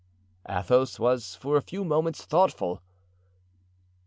Athos was for a few moments thoughtful.